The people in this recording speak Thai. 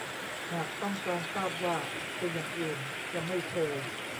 หากต้องการทราบว่าเป็นอย่างอื่นจะไม่เชย